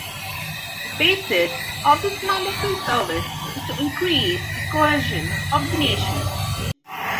The basis of this mandatory service is to "increase the cohesion of the nation".